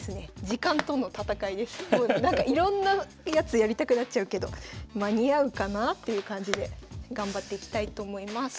時間との闘いですごいなんかいろんなやつやりたくなっちゃうけど間に合うかな？という感じで頑張っていきたいと思います。